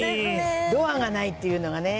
ドアがないっていうのがね。